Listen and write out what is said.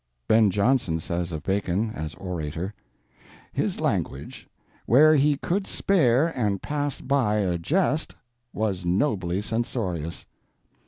Ben Jonson says of Bacon, as orator: His language, where he could spare and pass by a jest, was nobly censorious.